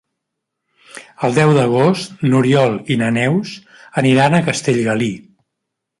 El deu d'agost n'Oriol i na Neus aniran a Castellgalí.